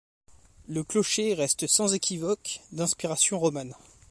Le clocher reste sans équivoque d'inspiration romane.